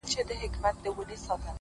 دي روح کي اغښل سوی دومره؛